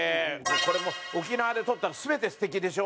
これも沖縄で撮ったら全て素敵でしょ？